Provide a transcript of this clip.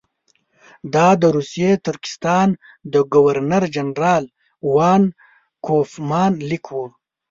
دا د روسي ترکستان د ګورنر جنرال وان کوفمان لیک وو.